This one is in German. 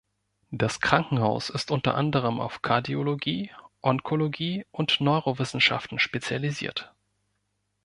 Das Krankenhaus ist unter anderem auf Kardiologie, Onkologie und Neurowissenschaften spezialisiert.